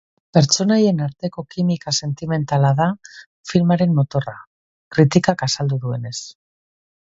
Pertsonaien arteko kimika sentimentala da filmaren motorra, kritikak azaldu duenez.